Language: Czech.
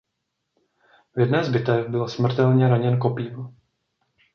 V jedné z bitev byl smrtelně raněn kopím.